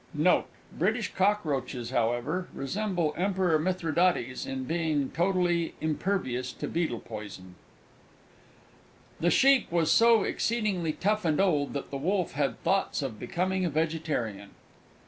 Note. British Cockroaches, however, resemble Emperor Mithridates in being totally impervious to beetle poison. H. B. J. The Sheep was so exceedingly tough and old, that the Wolf had thoughts of becoming a Vegetarian.